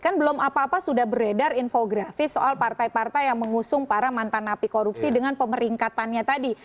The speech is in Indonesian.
kan belum apa apa sudah beredar infografis soal partai partai yang mengusung para mantan api korupsi dengan pemeringkatannya tadi